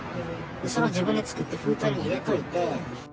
それを自分で作って封筒に入れておいて。